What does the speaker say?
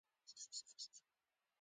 زړه د ښکلا لور ته تکیه کوي.